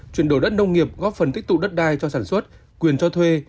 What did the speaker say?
chuyển đổi đất nông nghiệp góp phần tích tụ đất đai cho sản xuất quyền cho thuê